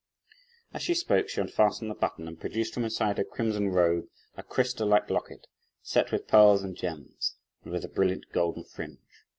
As she spoke, she unfastened the button, and produced from inside her crimson robe, a crystal like locket, set with pearls and gems, and with a brilliant golden fringe.